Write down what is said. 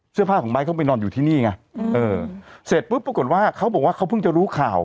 เสื้อผ้าของไม้เขาไปนอนอยู่ที่นี่ไงเสร็จปุ๊บปรากฏว่าเขาบอกว่าเขาเพิ่งจะรู้ข่าว